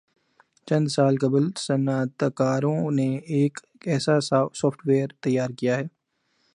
چند سال قبل صنعتکاروں نے ایک ایسا سافٹ ویئر تیار کیا ہے